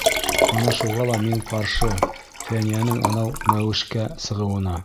Ана шуға ла мин ҡаршы Фәниәнең анау мәүешкә сығыуына.